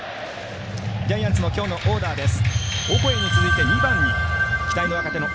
ジャイアンツの今日のオーダーです。